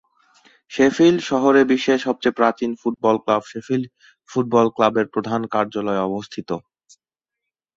Sheffield শহরে বিশ্বের সবচেয়ে প্রাচীন ফুটবল ক্লাব শেফিল্ড ফুটবল ক্লাবের প্রধান কার্যালয় অবস্থিত।